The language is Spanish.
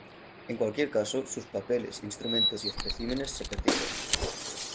En cualquier caso, sus papeles, instrumentos y especímenes se perdieron.